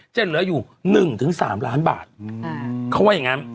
จะเหลืออยู่หนึ่งถึงสามล้านบาทอืมเขาว่าอย่างงั้น